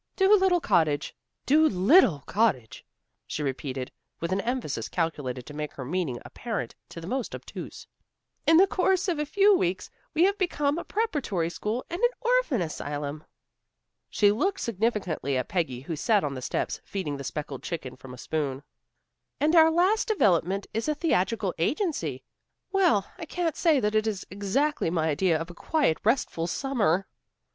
Dolittle Cottage. Do little Cottage," she repeated, with an emphasis calculated to make her meaning apparent to the most obtuse. "In the course of a few weeks we have become a preparatory school and an orphan asylum." She looked significantly at Peggy who sat on the steps, feeding the speckled chicken from a spoon. "And our last development is a theatrical agency. Well, I can't say that it is exactly my idea of a quiet, restful summer."